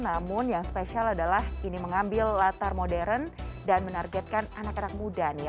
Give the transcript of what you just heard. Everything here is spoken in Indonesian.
namun yang spesial adalah ini mengambil latar modern dan menargetkan anak anak muda nih